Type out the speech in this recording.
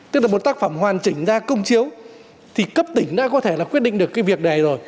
tức là một tác phẩm hoàn chỉnh ra công chiếu thì cấp tỉnh đã có thể là quyết định được cái việc này rồi